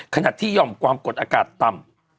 ขณะที่ยอมความกดอากาศต่ำ